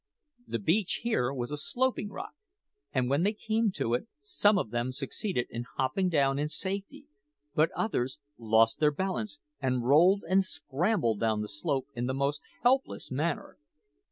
The beach here was a sloping rock, and when they came to it some of them succeeded in hopping down in safety, but others lost their balance and rolled and scrambled down the slope in the most helpless manner.